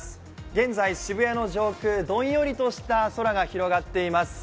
現在、渋谷の上空、どんよりとした空が広がっています。